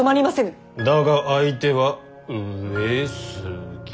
だが相手は上杉。